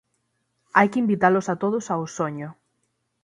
Hai que invitalos a todos ao soño.